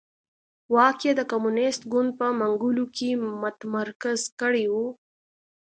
واک یې د کمونېست ګوند په منګولو کې متمرکز کړی و.